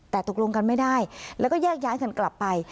แต่ตกลงกันไม่ได้แล้วก็แยกย้ายกันกลับไป